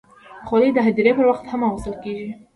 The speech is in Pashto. خولۍ د هدیرې پر وخت هم اغوستل کېږي.